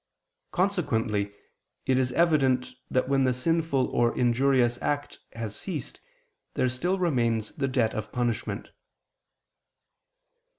Consequently it is evident that when the sinful or injurious act has ceased there still remains the debt of punishment.